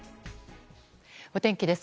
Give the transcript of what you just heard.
お天気です。